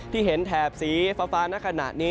ที่เห็นแถบสีฟ้าในขณะนี้